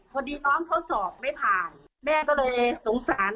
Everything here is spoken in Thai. พอดีน้องเขาสอบไม่ผ่านแม่ก็เลยสงสาร